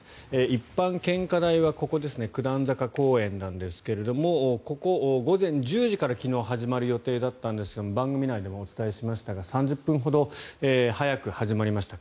一般献花台はここです九段坂公園なんですがここ、午前１０時から昨日始まる予定だったんですが番組内でもお伝えしましたが３０分ほど早く始まりました。